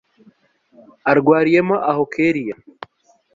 arwariyemo aho kellia